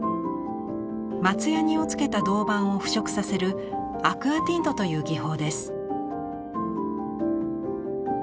松やにをつけた銅版を腐食させるアクアティントという技法です。